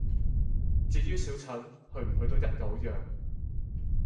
至於小陳，去唔去都一狗樣